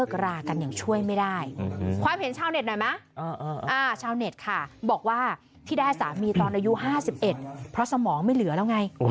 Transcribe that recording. ขอโทษนะ